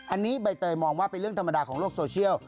อันนี้ใบเตยมองว่าเป็นเรื่องธรรมดาของโลกโซเชียล